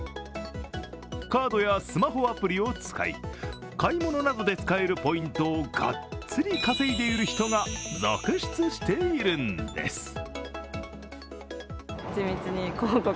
カードやスマホアプリを使い、買い物などで使えるポイントをがっつり稼いでいる人が続出しているんです。